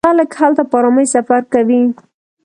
خلک هلته په ارامۍ سفر کوي.